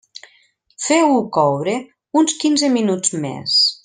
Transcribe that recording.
Feu-ho coure uns quinze minuts més.